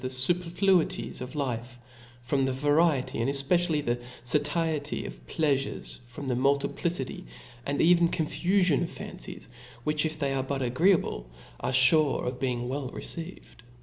\u the fuperfluities of life, from the variety, and efpe cially the fatiety of pleafufes, from the multiplicity and even confufion of fancies, which, if they arc but agreeable, are fure of being well received.